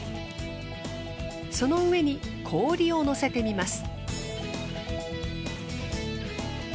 その上に氷を乗せてみます。